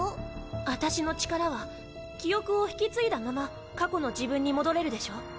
私の力は記憶を引き継いだまま過去の自分に戻れるでしょ？